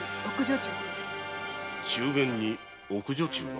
中間に奥女中が。